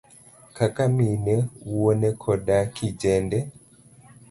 kaka mine, wuone koda kijende.